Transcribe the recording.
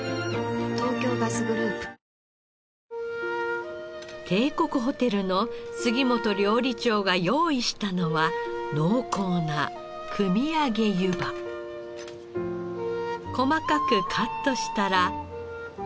東京ガスグループ帝国ホテルの杉本料理長が用意したのは濃厚な細かくカットしたら。